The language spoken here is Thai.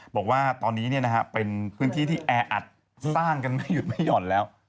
บอกว่าตอนนี้เป็นพื้นที่ที่แออัดสร้างกันไม่หยุดไม่หย่อนแล้ว